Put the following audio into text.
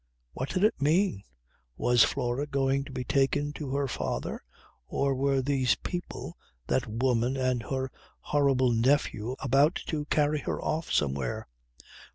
What did it mean? Was Flora going to be taken to her father; or were these people, that woman and her horrible nephew, about to carry her off somewhere?